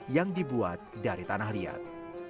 yang dibuat dari tanah liat